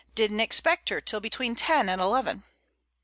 "Didn't expect her till between ten and eleven."